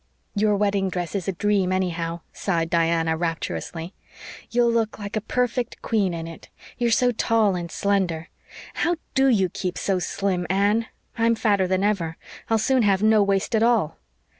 "Your wedding dress is a dream, anyhow," sighed Diana rapturously. "You'll look like a perfect queen in it you're so tall and slender. How DO you keep so slim, Anne? I'm fatter than ever I'll soon have no waist at all."